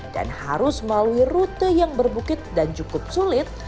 dan harus melalui rute yang berbukit dan cukup sulit